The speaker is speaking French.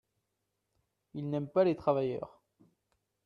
Ils n’aiment pas les travailleurs.